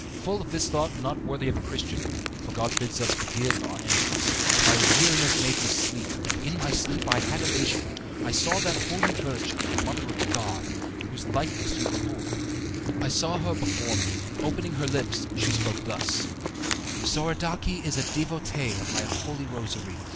Full of this thought not worthy of a Christian (for God bids us forgive our enemies) my weariness made me sleep, and in my sleep I had a vision. I saw that Holy Virgin, Mother of God, whose likeness you behold I saw her before me, and opening her lips she spoke thus: "'Soradaci is a devotee of my Holy Rosary.